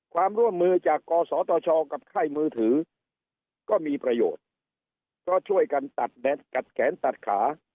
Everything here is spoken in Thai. ความร่วมมือจากกสชกับไข้มือถือก็มีประโยชน์ก็ช่วยกันตัดแดดกัดแขนตัดขา